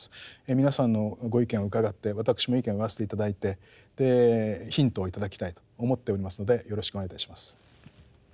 皆さんのご意見を伺って私も意見を言わせて頂いてヒントを頂きたいと思っておりますのでよろしくお願いいたします。